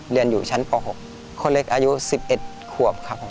เรียนอยู่ชั้นป๖คนเล็กอายุ๑๑ขวบครับผม